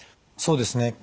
そうですね。